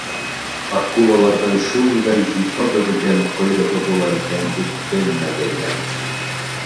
— Акулаларҙың шундай зифа бөгөлгән ҡойроғо була икән тип белмәгәйнем!